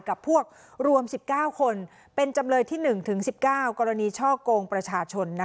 กับพวกรวม๑๙คนเป็นจำเลยที่๑๑๙กรณีช่อกงประชาชน